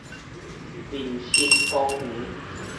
林森公園